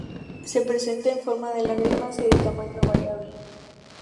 Se presenta en forma de lágrimas y de tamaño variable.